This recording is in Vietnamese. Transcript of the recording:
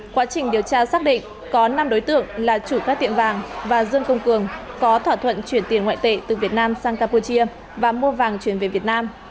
quá trình điều tra xác định có năm đối tượng là chủ các tiệm vàng và dương công cường có thỏa thuận chuyển tiền ngoại tệ từ việt nam sang campuchia và mua vàng chuyển về việt nam